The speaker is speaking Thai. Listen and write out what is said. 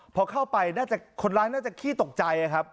พอเข้าไปน่าจะคนร้ายน่าจะขี้ตกใจครับ